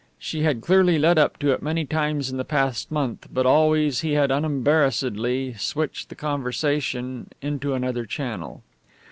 She had cleverly led up to it many times in the past month, but always he had unembarrassedly switched the conversation into another channel.